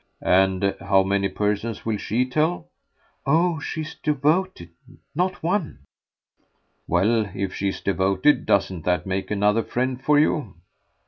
"And how many persons will she tell?" "Oh she's devoted. Not one." "Well, if she's devoted doesn't that make another friend for you?"